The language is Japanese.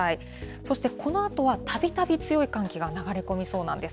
そしてこのあとは、たびたび強い寒気が流れ込みそうなんです。